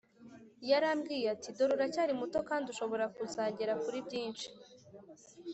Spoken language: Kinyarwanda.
Yarambwiye ati dore uracyari muto kandi ushobora kuzagera kuri byinshi